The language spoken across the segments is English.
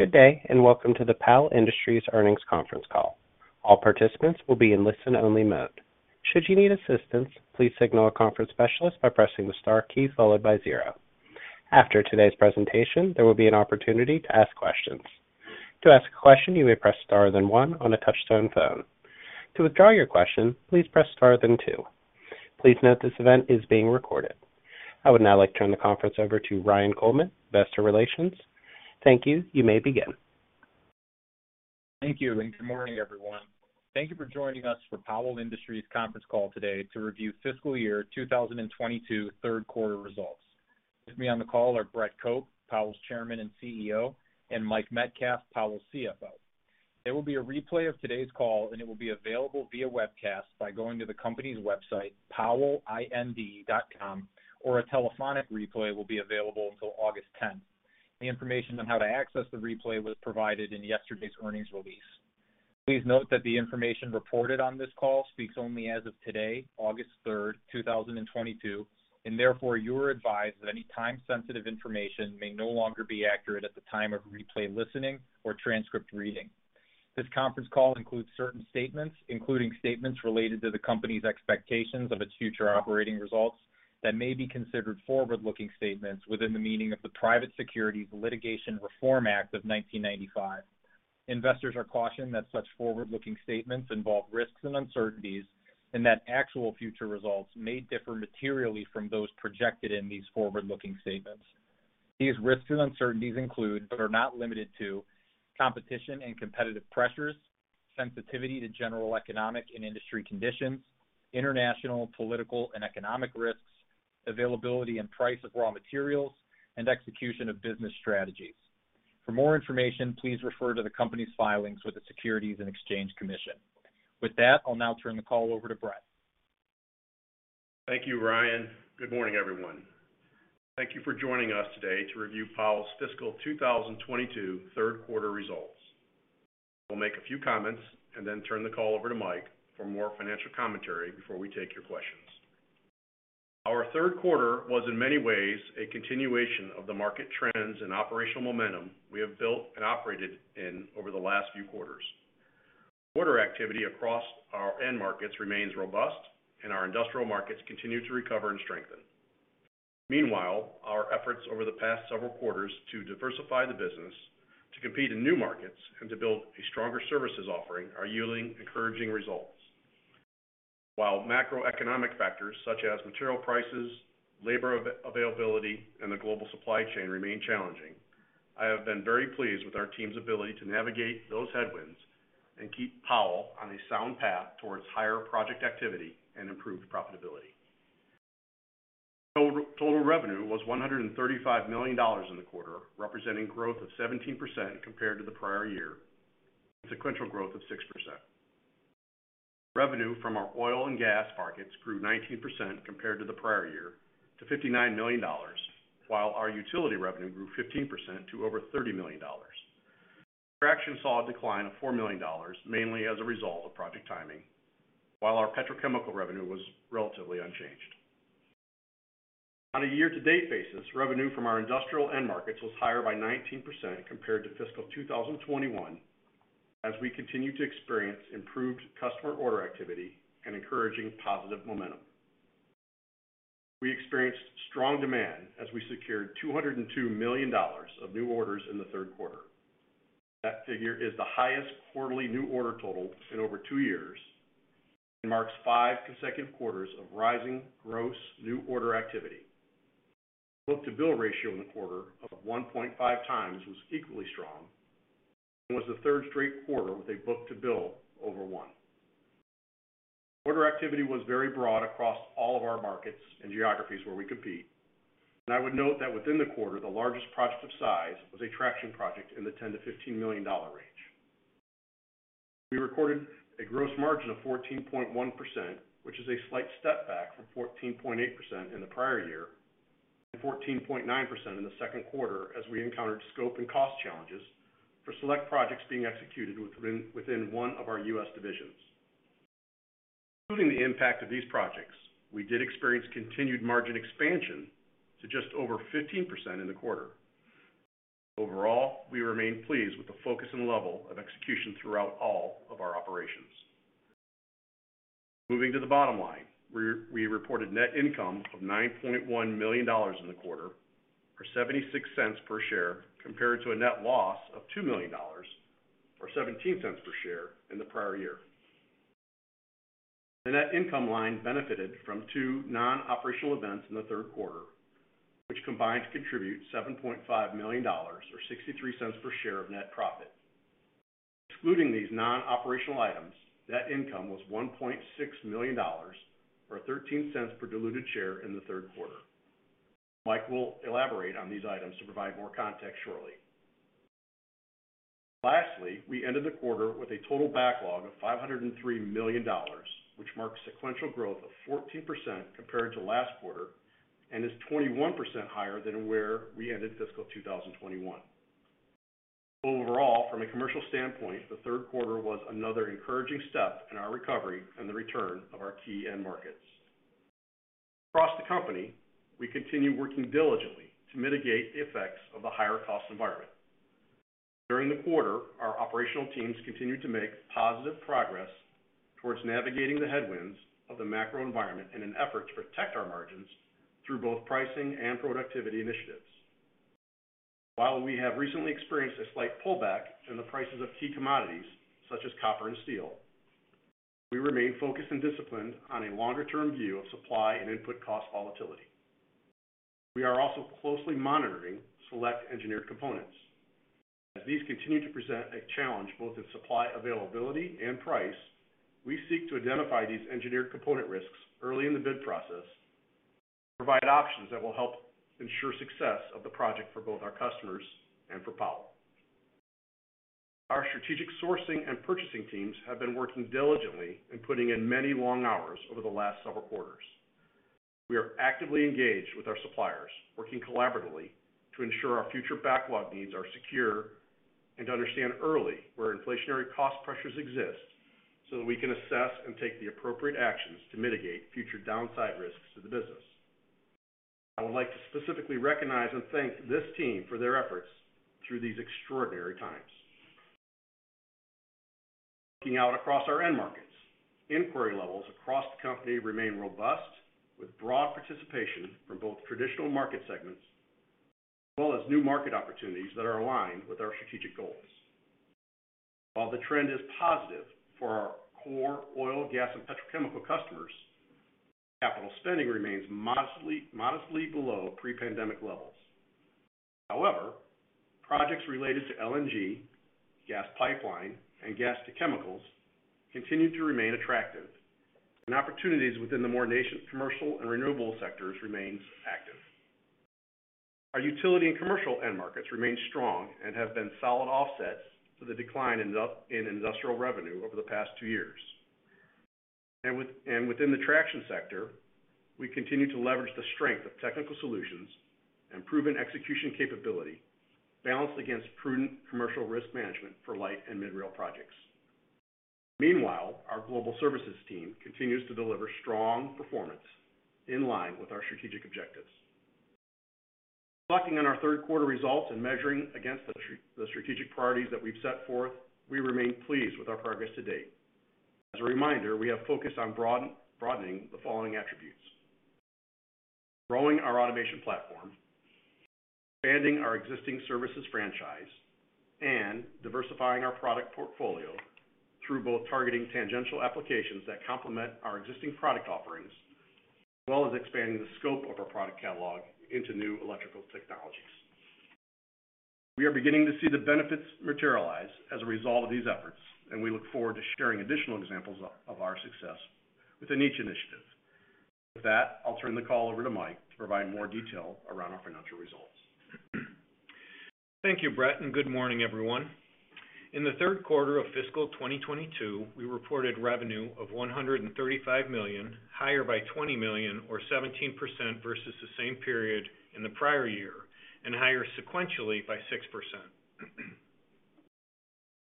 Good day, and welcome to the Powell Industries earnings conference call. All participants will be in listen-only mode. Should you need assistance, please signal a conference specialist by pressing the star key followed by zero. After today's presentation, there will be an opportunity to ask questions. To ask a question, you may press star then one on a touchtone phone. To withdraw your question, please press star then two. Please note this event is being recorded. I would now like to turn the conference over to Ryan Coleman, Investor Relations. Thank you. You may begin. Thank you, and good morning, everyone. Thank you for joining us for Powell Industries conference call today to review fiscal year 2022 third quarter results. With me on the call are Brett Cope, Powell's Chairman and CEO, and Mike Metcalf, Powell's CFO. There will be a replay of today's call, and it will be available via webcast by going to the company's website, powellind.com, or a telephonic replay will be available until August 10th. The information on how to access the replay was provided in yesterday's earnings release. Please note that the information reported on this call speaks only as of today, August 3rd, 2022, and therefore you are advised that any time-sensitive information may no longer be accurate at the time of replay listening or transcript reading. This conference call includes certain statements, including statements related to the company's expectations of its future operating results, that may be considered forward-looking statements within the meaning of the Private Securities Litigation Reform Act of 1995. Investors are cautioned that such forward-looking statements involve risks and uncertainties, and that actual future results may differ materially from those projected in these forward-looking statements. These risks and uncertainties include, but are not limited to competition and competitive pressures, sensitivity to general economic and industry conditions, international political and economic risks, availability and price of raw materials, and execution of business strategies. For more information, please refer to the company's filings with the Securities and Exchange Commission. With that, I'll now turn the call over to Brett. Thank you, Ryan. Good morning, everyone. Thank you for joining us today to review Powell's fiscal 2022 third quarter results. I will make a few comments and then turn the call over to Mike for more financial commentary before we take your questions. Our third quarter was in many ways a continuation of the market trends and operational momentum we have built and operated in over the last few quarters. Order activity across our end markets remains robust, and our industrial markets continue to recover and strengthen. Meanwhile, our efforts over the past several quarters to diversify the business, to compete in new markets, and to build a stronger services offering are yielding encouraging results. While macroeconomic factors such as material prices, labor availability, and the global supply chain remain challenging, I have been very pleased with our team's ability to navigate those headwinds and keep Powell on a sound path towards higher project activity and improved profitability. Total revenue was $135 million in the quarter, representing growth of 17% compared to the prior year, and sequential growth of 6%. Revenue from our oil and gas markets grew 19% compared to the prior year to $59 million, while our utility revenue grew 15% to over $30 million. Traction saw a decline of $4 million, mainly as a result of project timing. While our petrochemical revenue was relatively unchanged. On a year-to-date basis, revenue from our industrial end markets was higher by 19% compared to fiscal 2021 as we continue to experience improved customer order activity and encouraging positive momentum. We experienced strong demand as we secured $202 million of new orders in the third quarter. That figure is the highest quarterly new order total in over two years and marks five consecutive quarters of rising gross new order activity. Book-to-bill ratio in the quarter of 1.5x was equally strong and was the third straight quarter with a book-to-bill over one. Order activity was very broad across all of our markets and geographies where we compete. I would note that within the quarter, the largest project of size was a traction project in the $10 million-$15 million range. We recorded a gross margin of 14.1%, which is a slight step back from 14.8% in the prior year and 14.9% in the second quarter as we encountered scope and cost challenges for select projects being executed within one of our U.S. divisions. Including the impact of these projects, we did experience continued margin expansion to just over 15% in the quarter. Overall, we remain pleased with the focus and level of execution throughout all of our operations. Moving to the bottom line, we reported net income of $9.1 million in the quarter, or $0.76 per share, compared to a net loss of $2 million or $0.17 per share in the prior year. The net income line benefited from two non-operational events in the third quarter, which combined to contribute $7.5 million or $0.63 per share of net profit. Excluding these non-operational items, net income was $1.6 million or $0.13 per diluted share in the third quarter. Mike will elaborate on these items to provide more context shortly. Lastly, we ended the quarter with a total backlog of $503 million, which marks sequential growth of 14% compared to last quarter, and is 21% higher than where we ended fiscal 2021. Overall, from a commercial standpoint, the third quarter was another encouraging step in our recovery and the return of our key end markets. Company, we continue working diligently to mitigate the effects of the higher cost environment. During the quarter, our operational teams continued to make positive progress towards navigating the headwinds of the macro environment in an effort to protect our margins through both pricing and productivity initiatives. While we have recently experienced a slight pullback in the prices of key commodities such as copper and steel, we remain focused and disciplined on a longer-term view of supply and input cost volatility. We are also closely monitoring select engineered components. As these continue to present a challenge both in supply availability and price, we seek to identify these engineered component risks early in the bid process to provide options that will help ensure success of the project for both our customers and for Powell. Our strategic sourcing and purchasing teams have been working diligently and putting in many long hours over the last several quarters. We are actively engaged with our suppliers, working collaboratively to ensure our future backlog needs are secure, and to understand early where inflationary cost pressures exist, so that we can assess and take the appropriate actions to mitigate future downside risks to the business. I would like to specifically recognize and thank this team for their efforts through these extraordinary times. Looking out across our end markets, inquiry levels across the company remain robust, with broad participation from both traditional market segments as well as new market opportunities that are aligned with our strategic goals. While the trend is positive for our core oil, gas, and petrochemical customers, capital spending remains modestly below pre-pandemic levels. However, projects related to LNG, gas pipeline, and gas to chemicals continue to remain attractive, and opportunities within the marine, commercial and renewable sectors remain active. Our utility and commercial end markets remain strong and have been solid offsets to the decline in in industrial revenue over the past two years. Within the traction sector, we continue to leverage the strength of technical solutions and proven execution capability balanced against prudent commercial risk management for light and mid-rail projects. Meanwhile, our global services team continues to deliver strong performance in line with our strategic objectives. Reflecting on our third quarter results and measuring against the the strategic priorities that we've set forth, we remain pleased with our progress to date. As a reminder, we have focused on broadening the following attributes. Growing our automation platform, expanding our existing services franchise, and diversifying our product portfolio through both targeting tangential applications that complement our existing product offerings, as well as expanding the scope of our product catalog into new electrical technologies. We are beginning to see the benefits materialize as a result of these efforts, and we look forward to sharing additional examples of our success within each initiative. With that, I'll turn the call over to Mike to provide more detail around our financial results. Thank you, Brett, and good morning, everyone. In the third quarter of fiscal 2022, we reported revenue of $135 million, higher by $20 million or 17% versus the same period in the prior year, and higher sequentially by 6%.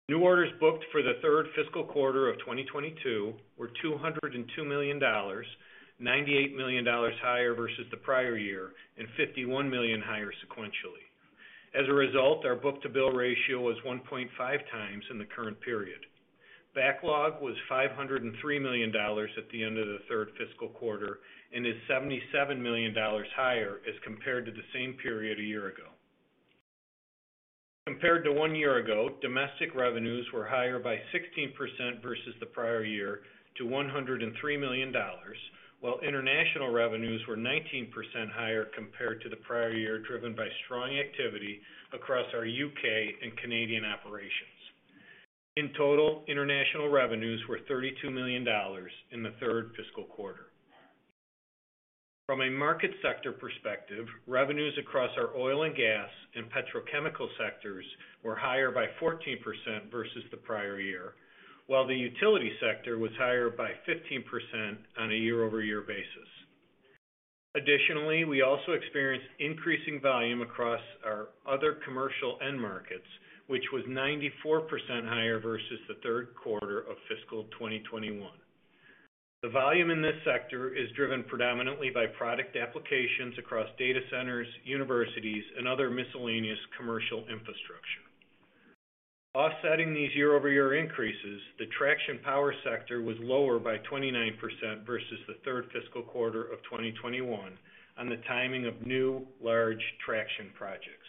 New orders booked for the third fiscal quarter of 2022 were $202 million, $98 million higher versus the prior year and $51 million higher sequentially. As a result, our book-to-bill ratio was 1.5x in the current period. Backlog was $503 million at the end of the third fiscal quarter and is $77 million higher as compared to the same period a year ago. Compared to one year ago, domestic revenues were higher by 16% versus the prior year to $103 million, while international revenues were 19% higher compared to the prior year, driven by strong activity across our U.K. and Canadian operations. In total, international revenues were $32 million in the third fiscal quarter. From a market sector perspective, revenues across our oil and gas and petrochemical sectors were higher by 14% versus the prior year, while the utility sector was higher by 15% on a year-over-year basis. Additionally, we also experienced increasing volume across our other commercial end markets, which was 94% higher versus the third quarter of fiscal 2021. The volume in this sector is driven predominantly by product applications across data centers, universities, and other miscellaneous commercial infrastructure. Offsetting these year-over-year increases, the traction power sector was lower by 29% versus the third fiscal quarter of 2021 on the timing of new large traction projects.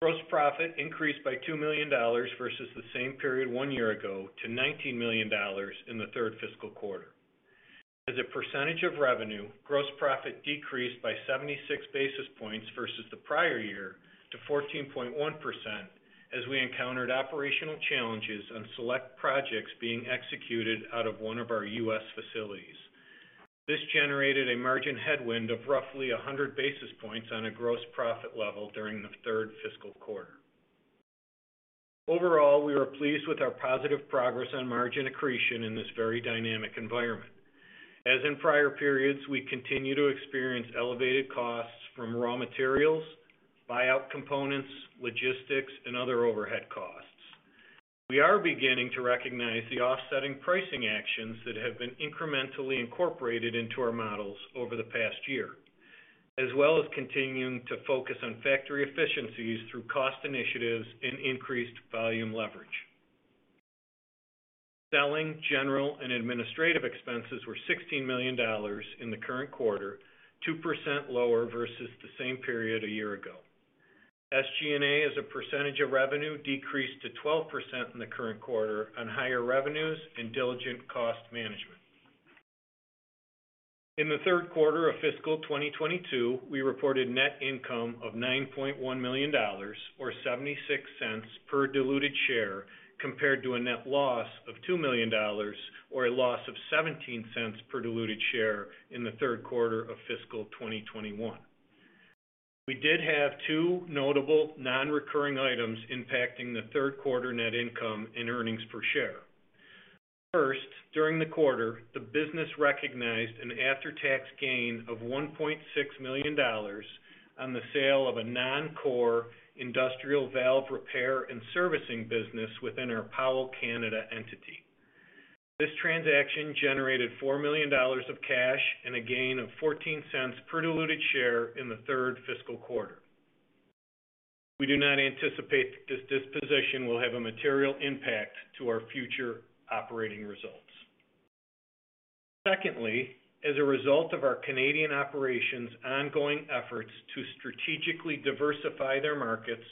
Gross profit increased by $2 million versus the same period one year ago to $19 million in the third fiscal quarter. As a percentage of revenue, gross profit decreased by 76 basis points versus the prior year to 14.1% as we encountered operational challenges on select projects being executed out of one of our U.S. facilities. This generated a margin headwind of roughly 100 basis points on a gross profit level during the third fiscal quarter. Overall, we are pleased with our positive progress on margin accretion in this very dynamic environment. As in prior periods, we continue to experience elevated costs from raw materials, buyout components, logistics, and other overhead costs. We are beginning to recognize the offsetting pricing actions that have been incrementally incorporated into our models over the past year, as well as continuing to focus on factory efficiencies through cost initiatives and increased volume leverage. Selling, general, and administrative expenses were $16 million in the current quarter, 2% lower versus the same period a year ago. SG&A as a percentage of revenue decreased to 12% in the current quarter on higher revenues and diligent cost management. In the third quarter of fiscal 2022, we reported net income of $9.1 million or $0.76 per diluted share, compared to a net loss of $2 million or a loss of $0.17 per diluted share in the third quarter of fiscal 2021. We did have two notable non-recurring items impacting the third quarter net income and earnings per share. First, during the quarter, the business recognized an after-tax gain of $1.6 million on the sale of a non-core industrial valve repair and servicing business within our Powell Canada entity. This transaction generated $4 million of cash and a gain of $0.14 per diluted share in the third fiscal quarter. We do not anticipate that this disposition will have a material impact to our future operating results. Secondly, as a result of our Canadian operations ongoing efforts to strategically diversify their markets,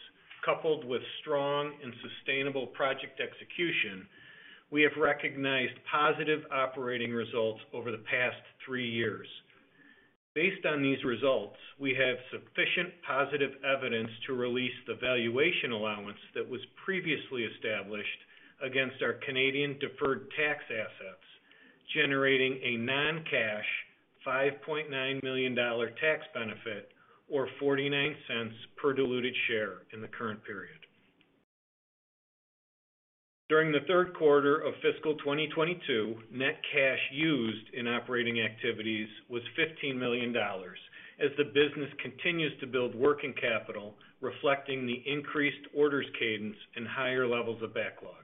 coupled with strong and sustainable project execution, we have recognized positive operating results over the past three years. Based on these results, we have sufficient positive evidence to release the valuation allowance that was previously established against our Canadian deferred tax assets, generating a non-cash $5.9 million tax benefit or $0.49 per diluted share in the current period. During the third quarter of fiscal 2022, net cash used in operating activities was $15 million as the business continues to build working capital, reflecting the increased orders cadence and higher levels of backlog.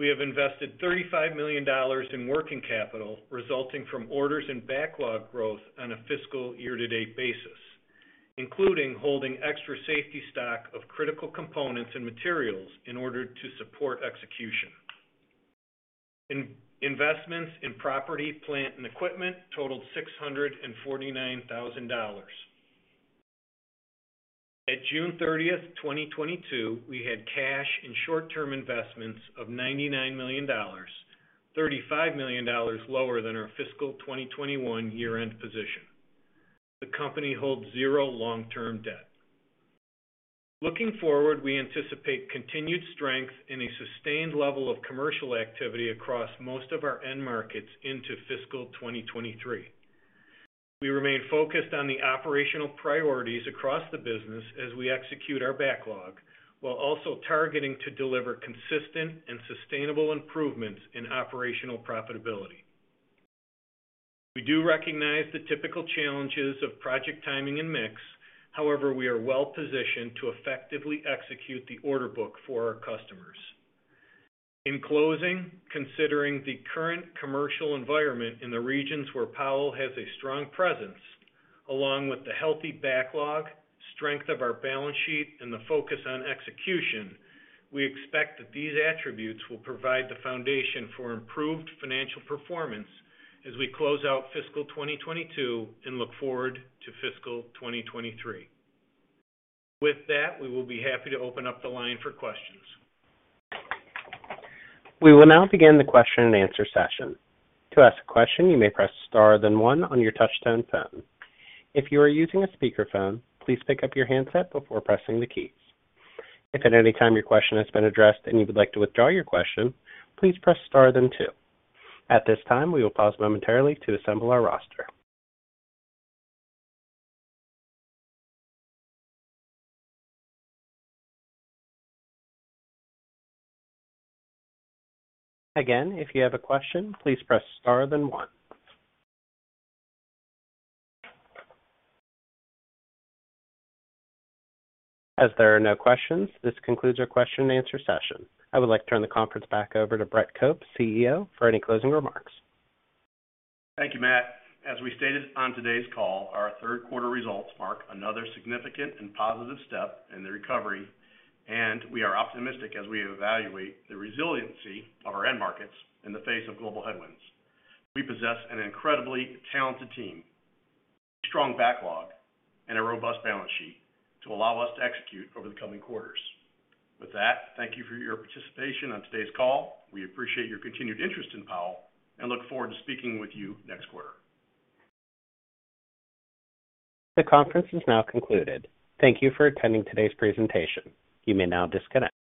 We have invested $35 million in working capital resulting from orders and backlog growth on a fiscal year to date basis, including holding extra safety stock of critical components and materials in order to support execution. Investments in property, plant, and equipment totaled $649,000. At June 30th, 2022, we had cash and short-term investments of $99 million, $35 million lower than our fiscal 2021 year-end position. The company holds zero long-term debt. Looking forward, we anticipate continued strength in a sustained level of commercial activity across most of our end markets into fiscal 2023. We remain focused on the operational priorities across the business as we execute our backlog, while also targeting to deliver consistent and sustainable improvements in operational profitability. We do recognize the typical challenges of project timing and mix. However, we are well positioned to effectively execute the order book for our customers. In closing, considering the current commercial environment in the regions where Powell has a strong presence, along with the healthy backlog, strength of our balance sheet, and the focus on execution, we expect that these attributes will provide the foundation for improved financial performance as we close out fiscal 2022 and look forward to fiscal 2023. With that, we will be happy to open up the line for questions. We will now begin the question and answer session. To ask a question, you may press star then one on your touch tone phone. If you are using a speaker phone, please pick up your handset before pressing the keys. If at any time your question has been addressed and you would like to withdraw your question, please press star then two. At this time, we will pause momentarily to assemble our roster. Again, if you have a question, please press star then one. As there are no questions, this concludes our question and answer session. I would like to turn the conference back over to Brett Cope, CEO, for any closing remarks. Thank you, Matt. As we stated on today's call, our third quarter results mark another significant and positive step in the recovery, and we are optimistic as we evaluate the resiliency of our end markets in the face of global headwinds. We possess an incredibly talented team, strong backlog, and a robust balance sheet to allow us to execute over the coming quarters. With that, thank you for your participation on today's call. We appreciate your continued interest in Powell and look forward to speaking with you next quarter. The conference is now concluded. Thank you for attending today's presentation. You may now disconnect.